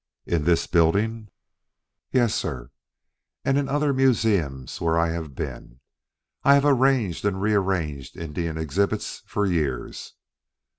"In this building?" "Yes, sir, and in other museums where I have been. I have arranged and rearranged Indian exhibits for years."